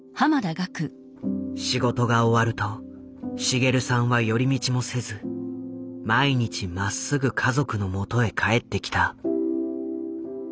仕事が終わると滋さんは寄り道もせず毎日まっすぐ家族のもとへ帰ってきた。